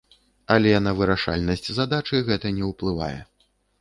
Але на вырашальнасць задачы гэта не ўплывае!